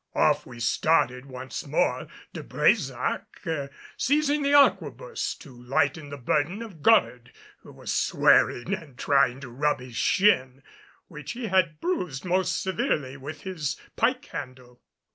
Off we started once more, De Brésac seizing the arquebus to lighten the burden of Goddard, who was swearing and trying to rub his shin, which he had bruised most severely, with his pike handle.